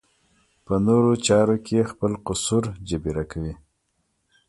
په نورو چارو کې خپل قصور جبېره کوي.